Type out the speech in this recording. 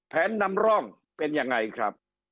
แผนนำร่องเป็นยังไงครับ